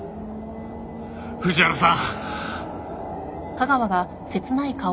藤原さん！